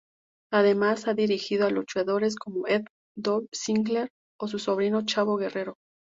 Además, ha dirigido a luchadores como Edge, Dolph Ziggler o su sobrino Chavo Guerrero.